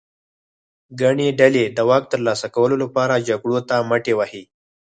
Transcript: ګڼې ډلې د واک ترلاسه کولو لپاره جګړو ته مټې وهي.